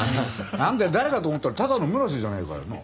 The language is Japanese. なんだよ誰かと思ったらただの村瀬じゃねえかよ。なあ？